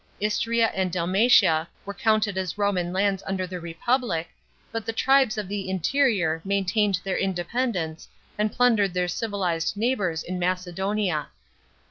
Istria and Dalmatia were counted as Roman lands under the Republic, but the tribes of tlie interior maintained their independence, and plundered their civilised neighbours in Macedonia.